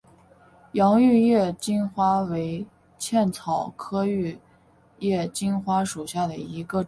洋玉叶金花为茜草科玉叶金花属下的一个种。